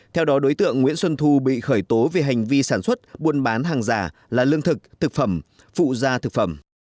theo đó đối tượng nguyễn xuân thu bị khởi tố về hành vi sản xuất buôn bán hàng giả là lương thực thực phẩm phụ gia thực phẩm